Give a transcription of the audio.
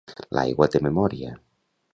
L'aigua té memòria